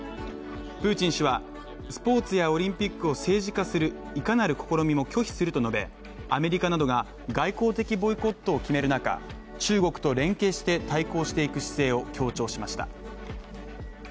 プーチン氏は、スポーツやオリンピックを政治化するいかなる試みも拒否すると述べアメリカなどが外交的ボイコットを決める中、中国と連携して対抗していく姿勢を強調しました。